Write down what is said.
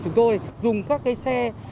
chúng tôi dùng các cái xe